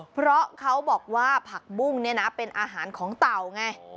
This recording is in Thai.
เพราะเขาบอกว่าผักบุ้งเนี่ยนะเป็นอาหารของเต่าไง